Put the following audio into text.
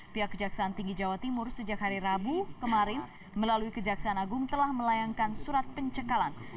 pihak kejaksaan tinggi jawa timur sejak hari rabu kemarin melalui kejaksaan agung telah melayangkan surat pencekalan